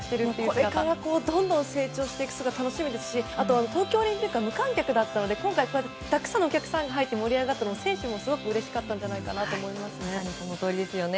これからどんどん成長していく姿が楽しみですしあとは東京オリンピックは無観客だったので今回たくさんのお客さんが入って盛り上がったので、選手もすごくうれしかったんじゃないかと思います。